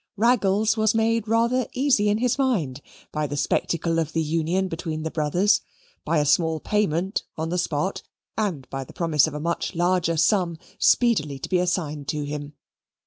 Raggles was made rather easy in his mind by the spectacle of the union between the brothers, by a small payment on the spot, and by the promise of a much larger sum speedily to be assigned to him.